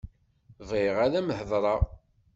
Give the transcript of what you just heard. Bɣiɣ ad am-heḍṛeɣ.